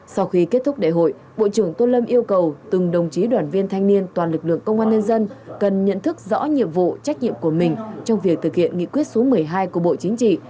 sau khi kết thúc đại hội bộ trưởng tôn lâm yêu cầu từng đồng chí đoàn viên thanh niên toàn lực lượng công an nhân dân cần nhận thức rõ nhiệm vụ trách nhiệm của mình trong việc thực hiện nghị quyết số một mươi hai của bộ chính trị